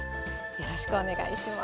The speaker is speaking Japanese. よろしくお願いします。